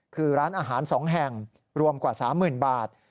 คือร้านอาหาร๒แห่งรวมกว่า๓๐๐๐บาท